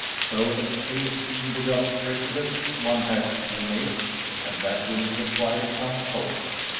So the case being without precedent, one has to be made, and that will require some thought.